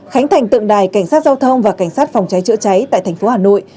khánh thành tượng đài cảnh sát giao thông và cảnh sát phòng cháy chữa cháy tại tp hà nội